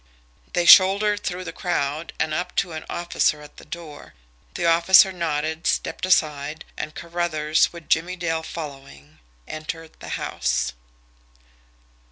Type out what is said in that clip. They shouldered through the crowd and up to an officer at the door. The officer nodded, stepped aside, and Carruthers, with Jimmie Dale following, entered the house.